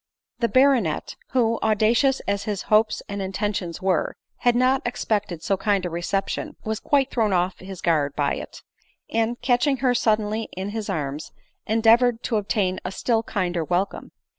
The baronet, who, audacious as his hopes and inten tions were, had not expected so kind a reception, was quite thrown off his guard by it ; and, catching her sud denly in his arms, endeavored t6 obtain a still kinder welcome.